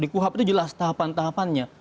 di kuhap itu jelas tahapan tahapannya